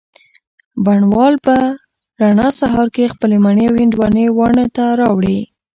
بڼ وال په رڼه سهار کي خپلې مڼې او هندواڼې واڼه ته راوړې